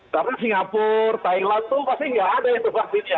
karena singapura thailand tuh pasti nggak ada yang bervaksinnya